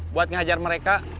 buat ngehajar mereka